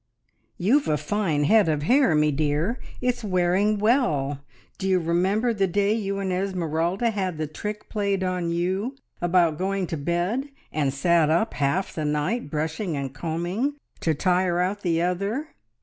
"You've a fine head of hair, me dear! It's wearing well. ... D'you remember the day you and Esmeralda had the trick played on you about going to bed, and sat up half the night brushing and combing to tire out the other?"